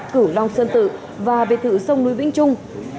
cửu long sơn tự và biệt thự sông núi vĩnh trung